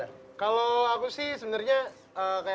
nah kalau misal nyambung masa lagu ada rehabil